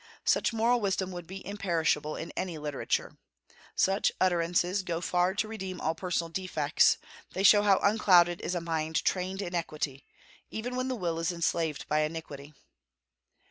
Such moral wisdom would be imperishable in any literature. Such utterances go far to redeem all personal defects; they show how unclouded is a mind trained in equity, even when the will is enslaved by iniquity.